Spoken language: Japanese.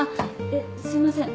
えっすいません